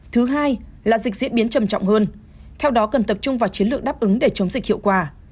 thứ hai là dịch diễn biến trầm trọng hơn theo đó cần tập trung vào chiến lược đáp ứng để chống dịch hiệu quả